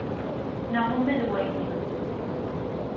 Neɣ uma d wayi.